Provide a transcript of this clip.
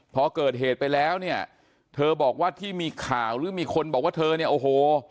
พอเกิดเหตุไปแล้วเนี่ยเธอบอกว่าที่มีข่าวหรือมีคนบอกว่าเธอเนี่ยโอ้โห